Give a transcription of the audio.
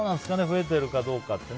増えてるかどうかって。